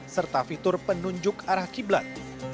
serta fitur penunjuk arah qiblat